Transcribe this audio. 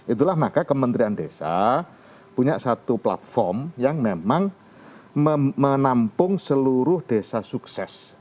itulah maka kementerian desa punya satu platform yang memang menampung seluruh desa sukses